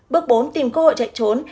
bước bốn tìm cơ hội chạy trốn